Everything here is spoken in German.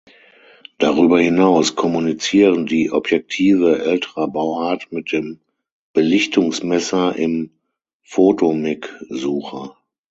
Darüber hinaus „kommunizieren“ die Objektive älterer Bauart mit dem Belichtungsmesser im "Photomic"-Sucher.